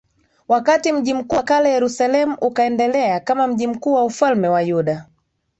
wakati mji mkuu wa kale Yerusalemu ukaendelea kama mji mkuu wa ufalme wa Yuda